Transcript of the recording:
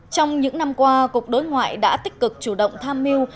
trong những năm qua cục đối ngoại đã tích cực chủ động tham mưu